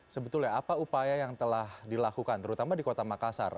sebetulnya apa upaya yang telah dilakukan terutama di kota makassar